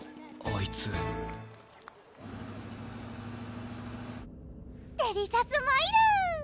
あいつデリシャスマイル！